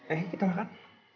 eh kita makan